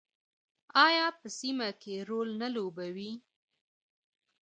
آیا په سیمه کې رول نه لوبوي؟